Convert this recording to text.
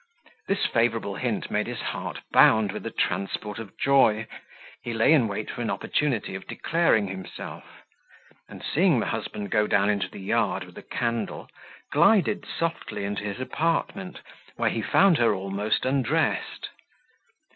This favourable hint made his heart bound with a transport of joy: he lay in wait for an opportunity of declaring himself; and seeing the husband go down into the yard with a candle, glided softly into his apartment, where he found her almost undressed.